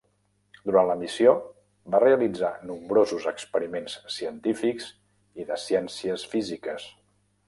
Durant la missió, va realitzar nombrosos experiments científics i de ciències físiques.